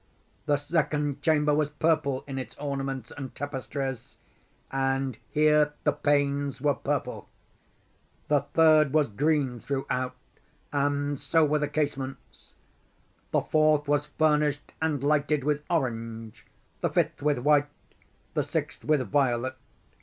The second chamber was purple in its ornaments and tapestries, and here the panes were purple. The third was green throughout, and so were the casements. The fourth was furnished and lighted with orange—the fifth with white—the sixth with violet.